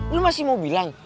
lo masih mau bilang